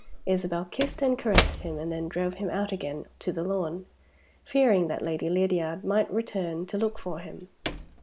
Isabel kissed and caressed him, and then drove him out again to the lawn, fearing that Lady Lydiard might return to look for him.